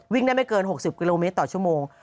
วิ่งได้ไม่เกิน๖๐กิโลเมตรต่อชั่วโมง